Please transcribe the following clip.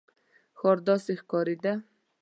ښار داسې ښکارېده.